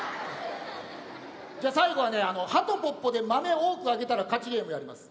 じゃあ最後はね「はとぽっぽ」で豆多くあげたら勝ちゲームやります。